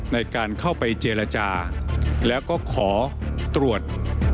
ในการเข้าไปเจรจาแล้วก็ขอตรวจ